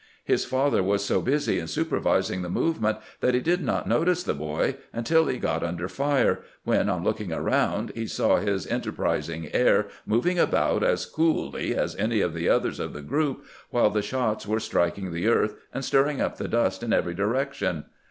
His father was so busy in supervising the movement that he did not notice the boy until he got under fire, when, on looking around, he saw his en terprising heir moving about as coolly as any of the others of the group, while the shots were striking the earth and stirring up the dust in every direction.